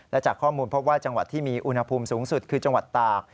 และจากข้อมูลพบว่าจังหวัดที่มีอุณหภูมิสูงสุดคือจังหวัดตาก